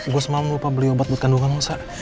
gue semalam lupa beli obat buat kandungan lo sa